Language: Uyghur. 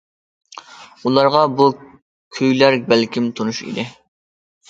ئۇلارغا بۇ كۈيلەر بەلكىم تونۇش ئىدى.